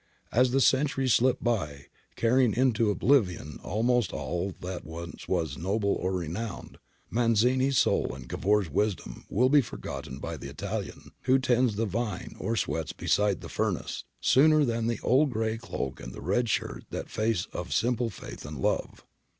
As the centuries slip by, carrying into oblivion almost all that once was noble or renowned, Mazzini's soul and Cavour's wisdom will be forgotten by the Italian who tends the vine or sweats beside the furnace, sooner than the old grey cloak and the red shirt and that face of simple faith and love.